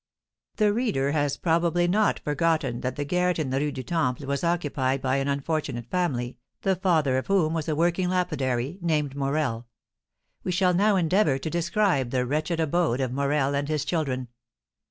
The reader has probably not forgotten that the garret in the Rue du Temple was occupied by an unfortunate family, the father of whom was a working lapidary, named Morel. We shall now endeavour to describe the wretched abode of Morel and his children.